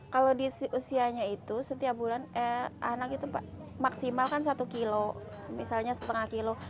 kalau di usianya itu setiap bulan anak itu maksimal kan satu kilo misalnya setengah kilo